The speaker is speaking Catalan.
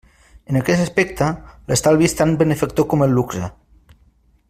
En aquest aspecte, l'estalvi és tan benefactor com el luxe.